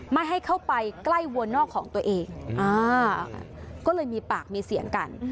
ไม่ให้เข้าไปใกล้วัวนอกของตัวเองอ่าก็เลยมีปากมีเสียงกัน